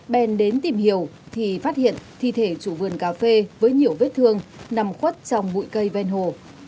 bèn đến tìm hiểu thì phát hiện thi thể chủ vườn cà phê với nhiều vết thương nằm khuất trong bụi cây ven hồ